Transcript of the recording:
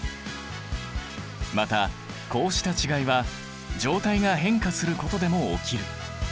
またこうした違いは状態が変化することでも起きる。